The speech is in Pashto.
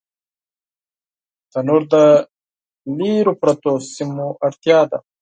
تنور د لرو پرتو سیمو اړتیا ده